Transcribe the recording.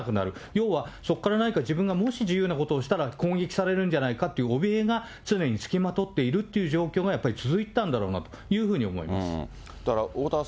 要は、そこから何か、自分がもし自由なことをしたら、攻撃されるんじゃないかという怯えが、常につきまとっているという状況がやっぱり続いてたんだろうなとだから、おおたわ